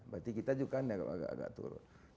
berarti kita juga agak agak turun